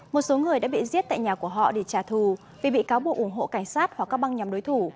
một số người đã bị giết tại nhà của họ để trả thù vì bị cáo buộc ủng hộ cảnh sát hoặc các băng nhóm đối thủ